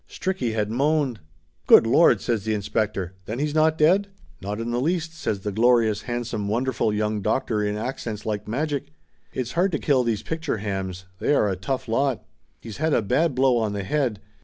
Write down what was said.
Stricky had moaned. "Good Lord!" says the inspector. "Then he's not dead?" "Not in the least," says the glorious, handsome won derful young doctor in accents like magic. "It's hard to kill these picture hams they are a tough lot. He's had a bad blow on the head.